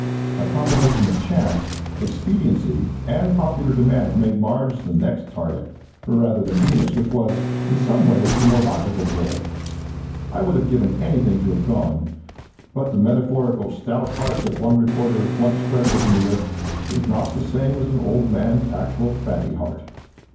A combination of chance, expediency and popular demand made Mars the next target, rather than Venus, which was, in some ways, the more logical goal. I would have given anything to have gone, but the metaphorical stout heart that one reporter once credited me with is not the same as an old man's actual fatty heart.